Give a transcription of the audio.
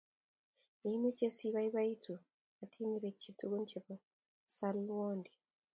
Ye imeche si baibaitu matinerekchi tugun chebo salwondi